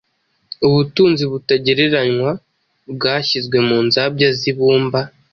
Ubutunzi butagereranywa bwashyizwe mu nzabya z’ibumba.